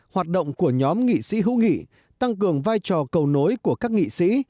hoạt động của nhóm nghị sĩ hữu nghị tăng cường vai trò cầu nối của các nghị sĩ